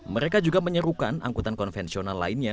mereka juga menyerukan angkutan konvensional lainnya